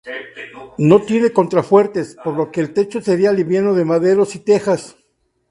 No tiene contrafuertes, por lo que el techo sería liviano de maderos y tejas.